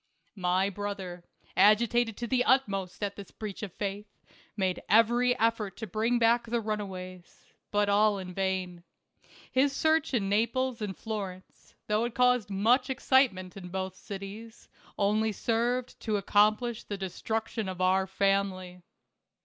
My brother, agitated to the utmost at this breach of faith, made every effort to bring back the runaways ; but all in vain. His search in Naples and Florence, though it caused much excitement in both cities, only served to accom plish the destruction of our family.